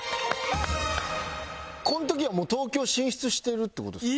この時はもう東京進出してるって事ですか？